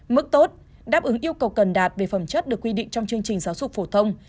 mức tốt đáp ứng yêu cầu cần đạt về phẩm chất được quy định trong chương trình giáo dục phổ thông